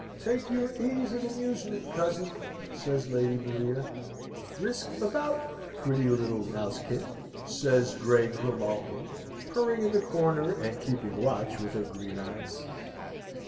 "Take your ease and amusement, cousin," says Lady Maria. "Frisk about, pretty little mousekin," says grey Grimalkin, purring in the corner, and keeping watch with her green eyes.